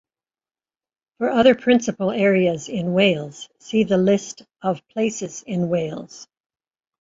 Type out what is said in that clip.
For other principal areas in Wales, see the list of places in Wales.